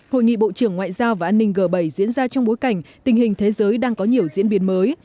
hội nghị bộ trưởng ngoại giao và an ninh g bảy diễn ra trong bối cảnh tình hình thế giới đang có nhiều diễn biến mới